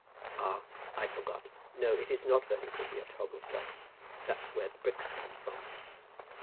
"Ah, I forgot. No; it is not very pretty at Hogglestock. That's where the bricks come from."